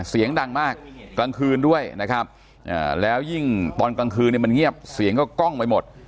เสียงดังมากกลางคืนด้วยนะครับแล้วยิ่งตอนกลางคืนเนี่ยมันเงียบเสียงก็กล้องไปหมด